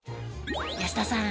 保田さん